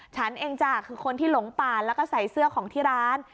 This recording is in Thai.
ฉันเองจ้ะคือคนที่หลงป่าแล้วก็ใส่เสื้อของที่ร้าน